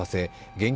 現金